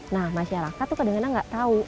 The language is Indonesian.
nah masyarakat tuh kadang kadang nggak tahu